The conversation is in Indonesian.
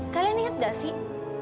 kalian inget gak sih